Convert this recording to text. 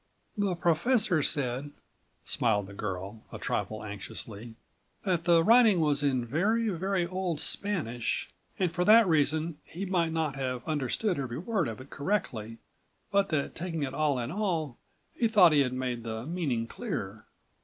"The professor said," smiled the girl, a trifle anxiously, "that the writing was in very, very old Spanish and for that reason he might not have understood every word of it correctly but that taking it all in all he thought he had made the meaning clear."